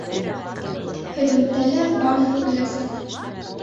Һөҙөмтәлә, барыһы үләсәк.